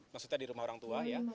maksudnya di rumah orang tua ya